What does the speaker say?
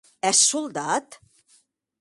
Ès soldat?